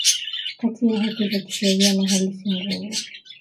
kati ya haki za kisheria na halisi Nguvu